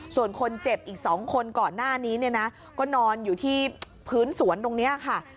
ส่วนคนเจ็บอีก๒คนก่อนหน้านี้เนี่ยนะก็นอนอยู่ที่พื้นสวนตรงนี้ค่ะ